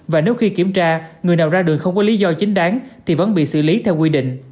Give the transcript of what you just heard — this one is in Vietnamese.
và nếu khi kiểm tra người nào ra đường không có lý do chính đáng thì vẫn bị xử lý theo quy định